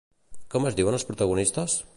Com es diuen els protagonistes?